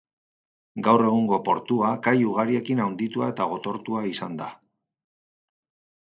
Gaur egungo portua kai ugariekin handitua eta gotortua izan da.